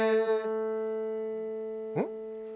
うん？